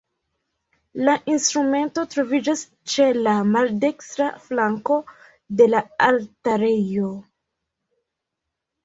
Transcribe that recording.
La instrumento troviĝas ĉe la maldekstra flanko de la altarejo.